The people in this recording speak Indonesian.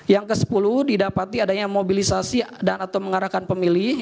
yang ke sepuluh didapati adanya mobilisasi dan atau mengarahkan pemilih